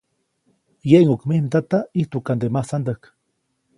‒Yeʼŋuʼk mij mdata, ʼijtuʼkande masandäjk-.